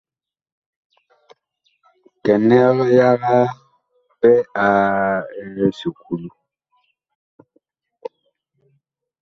Kɛnɛg yaga pɛ a esuklu.